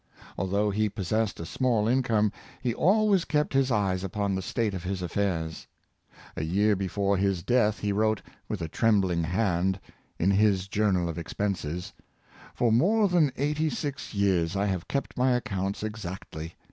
Although he possessed a small income, he always kept his eyes upon the state of his affairs. A year before his death, he wrote, with a trembling hand, in his Journal of Ex penses :" For more than eighty six years I have kept my accounts exactly.